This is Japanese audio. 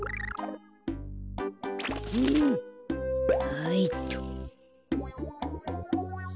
はいっと。